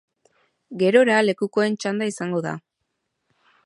Gerora, lekukoen txanda izango da.